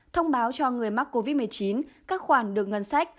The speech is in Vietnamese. thông báo cho người mắc covid một mươi chín các khoản được ngân sách